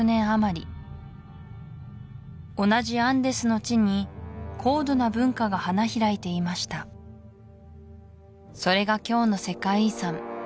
余り同じアンデスの地に高度な文化が花開いていましたそれが今日の「世界遺産」